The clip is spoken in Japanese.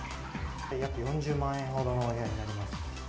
約４０万円ほどのお部屋にな